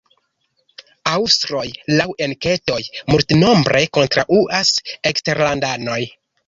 Aŭstroj, laŭ enketoj, multnombre kontraŭas eksterlandanojn.